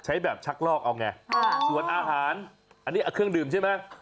แบบชักลอกเอาไงส่วนอาหารอันนี้เครื่องดื่มใช่ไหม